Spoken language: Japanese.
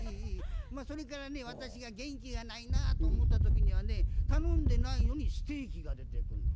それからね私が元気がないなと思った時にはね頼んでないのにステーキが出てくるのや。